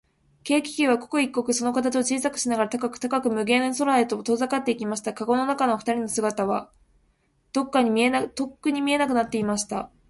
軽気球は、刻一刻、その形を小さくしながら、高く高く、無限の空へと遠ざかっていきました。かごの中のふたりの姿は、とっくに見えなくなっていました。